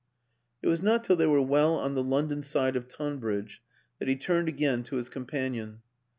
It was not till they were well on the London side of Tonbridge that he turned again to his companion.